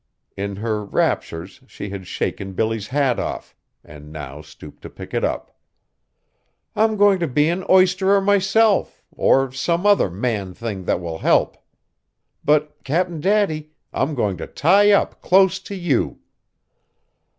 In her raptures she had shaken Billy's hat off, and now stooped to pick it up. "I'm going to be an oysterer myself, or some other man thing that will help. But, Cap'n Daddy, I'm going to tie up close to you!"